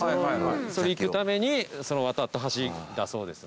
それ行くために渡った橋だそうです。